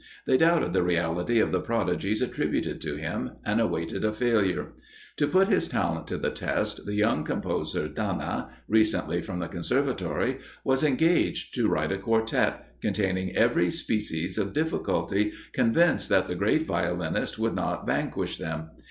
They doubted the reality of the prodigies attributed to him, and awaited a failure. To put his talent to the test, the young composer, Danna, recently from the Conservatory, was engaged to write a quartett, containing every species of difficulty, convinced that the great violinist would not vanquish them.